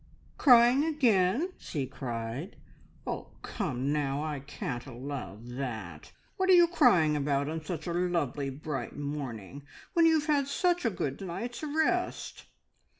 "Crying again?" she cried. "Oh, come now, I can't allow that! What are you crying about on such a lovely, bright morning, when you have had such a good night's rest?"